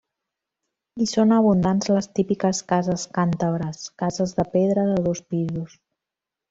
Hi són abundants les típiques cases càntabres, cases de pedra de dos pisos.